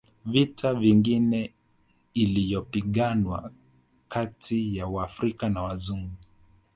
Vita nyingine iliyopiganwa kati ya waafrika na Wazungu